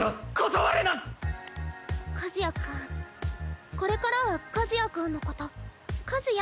和也君これからは和也君のことか和也？